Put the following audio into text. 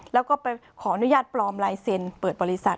แล้วก็ไปขออนุญาตปลอมลายเซ็นต์เปิดบริษัท